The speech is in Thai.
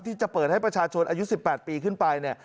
ที่จะเปิดให้ประชาชนอายุ๑๘ปีขึ้นไป